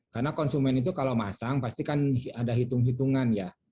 karena konsumen itu kalau masang pasti kan ada hitung hitungan ya